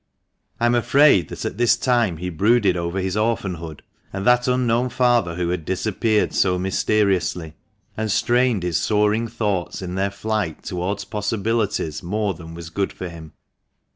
I am afraid that at this time he brooded over his orphanhood and that unknown father who had disappeared so mysteriously, and strained his soaring thoughts in their flight towards possibilities more than was good for him.